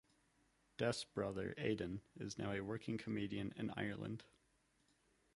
Des' brother Aidan is now a working comedian in Ireland.